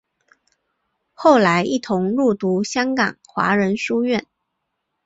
后来一同入读香港华仁书院。